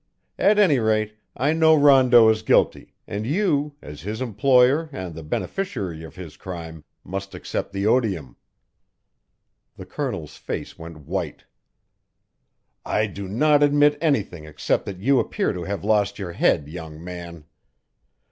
At any rate, I know Rondeau is guilty, and you, as his employer and the beneficiary of his crime, must accept the odium." The Colonel's face went white. "I do not admit anything except that you appear to have lost your head, young man.